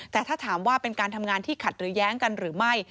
แต่ถ้าถามว่าเป็นการทำงานที่ขัดหรือแย้งกันหรือไม่